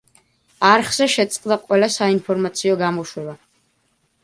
არხზე შეწყდა ყველა საინფორმაციო გამოშვება.